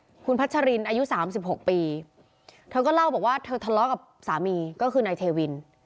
ทั้งคุณพัชรินอายุ๓๖ปีเธอก็เล่าว่าเธอทะเลาะกับสามีก็คือนายเทวิน